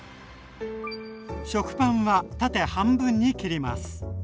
食パンは縦半分に切ります。